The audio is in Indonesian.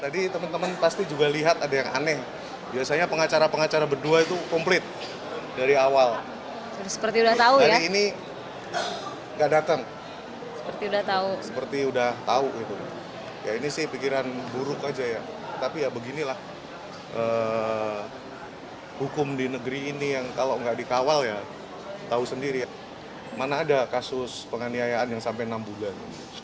dikawal ya tahu sendiri mana ada kasus penganiayaan yang sampai enam bulan